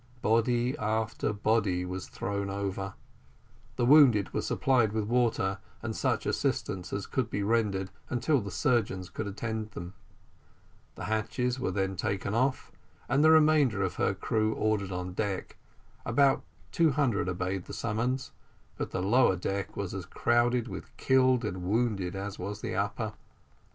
Body after body was thrown over; the wounded were supplied with water and such assistance as could be rendered until the surgeons could attend them; the hatches were then taken off, and the remainder of her crew ordered on deck; about two hundred obeyed the summons, but the lower deck was as crowded with killed and wounded as was the upper.